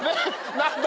何だ？